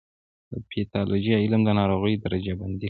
د پیتالوژي علم د ناروغیو درجه بندي کوي.